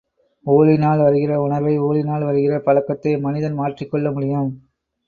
ஊழினால் வருகிற உணர்வை ஊழினால் வருகிற பழக்கத்தை மனிதன் மாற்றிக் கொள்ள முடியும்.